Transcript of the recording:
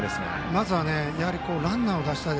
まずランナーを出したい。